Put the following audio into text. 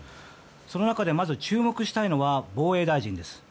その中で注目したいのは防衛大臣です。